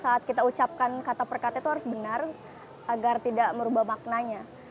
saat kita ucapkan kata perkata itu harus benar agar tidak merubah maknanya